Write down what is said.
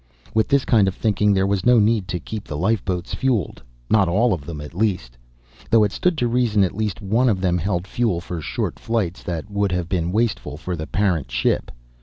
With this kind of thinking, there was no need to keep the lifeboats fueled. Not all of them, at least. Though it stood to reason at least one of them held fuel for short flights that would have been wasteful for the parent ship.